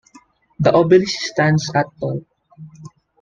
The obelisk stands at tall.